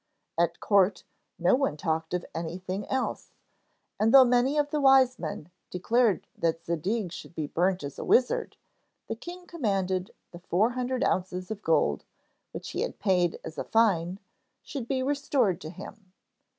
At court, no one talked of anything else; and though many of the wise men declared that Zadig should be burnt as a wizard, the king commanded that the four hundred ounces of gold, which he had paid as a fine, should be restored to him.